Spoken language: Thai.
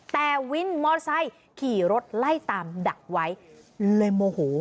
แต่วินมอไซค์ขี่รถไล่ตามดักไว้เลยโมโห